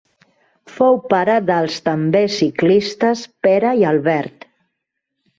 Fou pare dels també ciclistes Pere i Albert.